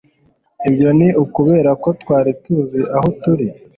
Ibyo ni ukubera ko twari tuzi aho turi